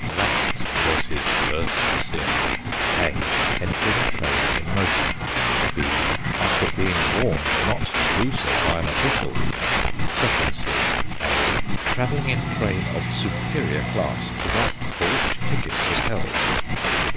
That was his first sin: (a) Entering a train in motion; (b) After being warned not to do so by an official. Second sin: (a) Travelling in train of superior class to that for which ticket was held.